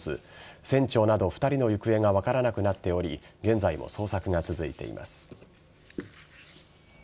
船長など２人の行方が分からなくなっており現在も捜索が続いています。